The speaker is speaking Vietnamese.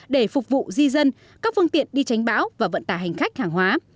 để phục vụ di dân các phương tiện đi tránh bão và vận tải hành khách hàng hóa